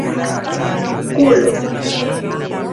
kulo